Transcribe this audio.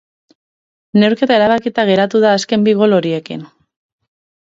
Neurketa erabakita geratu da azken bi gol horiekin.